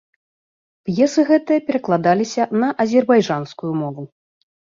П'есы гэтыя перакладаліся на азербайджанскую мову.